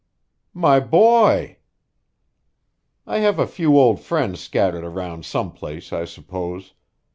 "My boy!" "I have a few old friends scattered around some place, I suppose.